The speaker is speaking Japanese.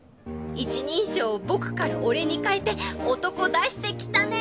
一人称を「僕」から「俺」に変えて男出してきたね！